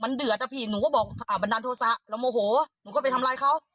มันเดือดอะพี่หนูก็บอกบันดาลโทษะเราโมโหหนูก็ไปทำร้ายเขา